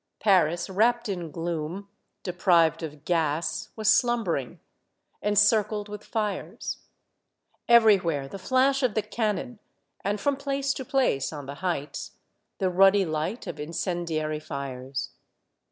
Paris, wrapped in gloom, de prived of gas, was slumbering, encircled with fires. Everywhere the flash of the cannon, and from place to place, on the heights, the ruddy light of incen diary fires.